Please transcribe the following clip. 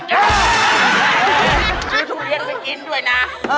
ซื้อทุเรียนไปกินด้วยนะ